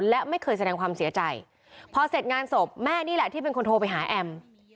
และไม่เคยแสดงความเสียใจพอเสร็จงานศพแม่นี่แหละที่เป็นคนโทรไปหาแอม